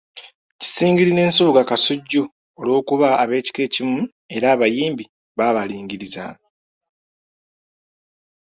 Kisingiri ne Nsubuga Kasujju olw'okuba ab'ekika ekimu, era abayimbi baabalingiriza.